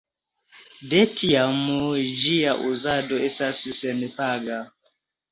De tiam ĝia uzado estas senpaga.